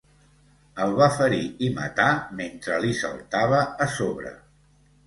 El va ferir i matar mentre li saltava a sobre.